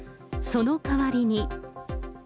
そのかわりに。